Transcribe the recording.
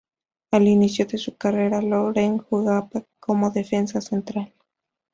Al inicio de su carrera, Loren jugaba como defensa central.